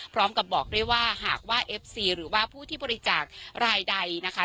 พร้อมกับบอกด้วยว่าหากว่าเอฟซีหรือว่าผู้ที่บริจาครายใดนะคะ